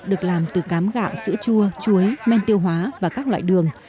được làm từ cám gạo sữa chua chuối men tiêu hóa và các loại đường